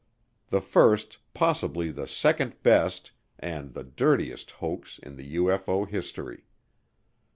The first, possibly the second best, and the dirtiest hoax in the UFO history.